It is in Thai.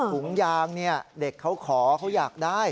ถุงยางเนี่ยเด็กเขาขอเขาอยากได้